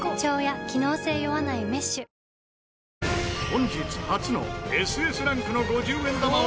本日初のＳＳランクの５０円玉を発見！